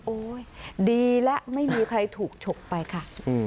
ดีและไม่มีใครถูกฉกไปค่ะ